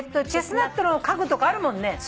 チェスナットの家具とかあるもんね。